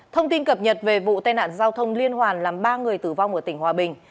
thông tin cập nhật về vụ tai nạn giao thông liên hoàn làm ba người tử vong ở tỉnh hòa bình